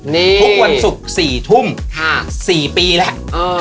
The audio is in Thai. ทุกวันศุกร์๔ทุ่ม๔ปีแล้ว